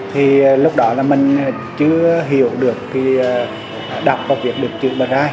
thì lúc đó là mình chưa hiểu được khi đọc và viết được chữ bật ra